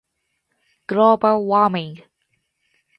global warming